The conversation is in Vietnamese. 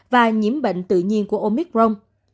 và nhiễm bệnh tự nhiên của omicron